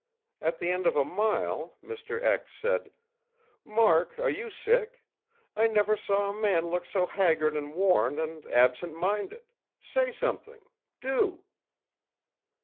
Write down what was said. At the end of a mile, Mr. said ìMark, are you sick? I never saw a man look so haggard and worn and absent minded. Say something, do!